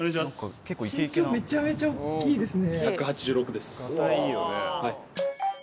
身長めちゃめちゃ大っきいですね。